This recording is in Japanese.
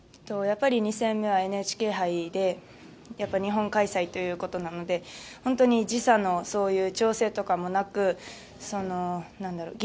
やっぱり２戦目はＮＨＫ杯で日本開催という事なので本当に時差のそういう調整とかもなくそのなんだろう。